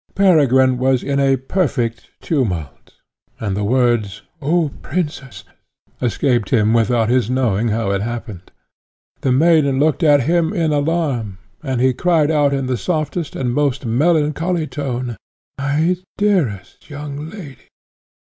Peregrine was in a perfect tumult, and the words "Oh, princess!" escaped him without his knowing how it happened. The maiden looked at him in alarm, and he cried out in the softest and most melancholy tone, "My dearest young lady!"